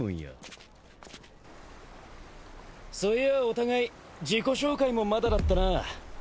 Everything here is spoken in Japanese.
そういやお互い自己紹介もまだだったな。